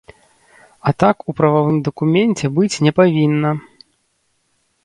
А так у прававым дакуменце быць не павінна.